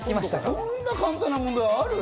こんな簡単な問題ある？